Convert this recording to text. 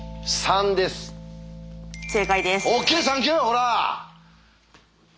ほら！